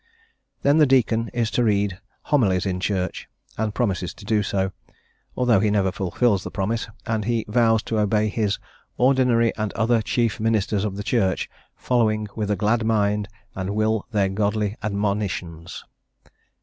Then the deacon is to read Homilies in Church, and promises to do so, although he never fulfils the promise, and he vows to obey his "Ordinary and other chief ministers of the Church... following with a glad mind and will their godly admonitions."